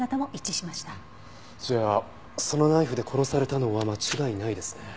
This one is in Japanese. じゃあそのナイフで殺されたのは間違いないですね。